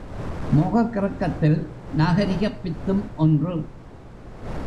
மோகக் கிறக்கத்தில் நாகரிகப் பித்தும் ஒன்று.